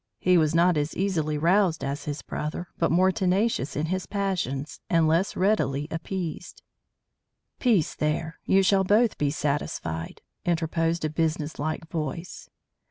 He was not as easily roused as his brother, but more tenacious in his passions, and less readily appeased. "Peace, there! You shall both be satisfied," interposed a businesslike voice.